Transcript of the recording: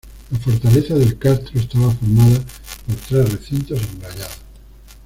La fortaleza del Castro estaba formada por tres recintos amurallados.